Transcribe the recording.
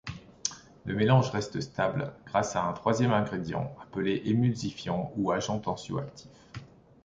Le mélange reste stable grâce à un troisième ingrédient appelé émulsifiant ou agent tensioactif.